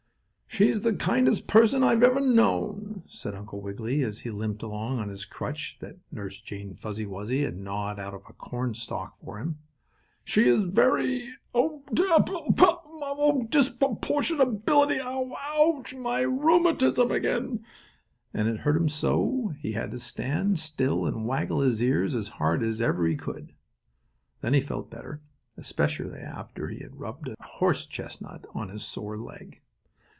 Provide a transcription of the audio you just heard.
"She's the kindest person I have ever known," said Uncle Wiggily, as he limped along on his crutch that Nurse Jane Fuzzy Wuzzy had gnawed out of a cornstalk for him. "She is very Oh dear! Oh me! Oh my! Oh disproportionability! Wow! Ouch! My rheumatism again!" and it hurt him so he had to stand still and waggle his ears as hard as ever he could. Then he felt better, especially after he had rubbed a horse chestnut on his sore leg.